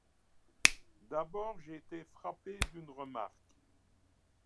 D'abord j'ai été frappé d'une remarque.